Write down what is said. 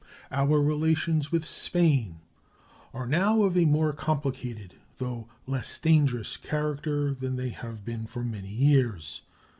Our relations with Spain are now of a more complicated, though less dangerous, character than they have been for many years.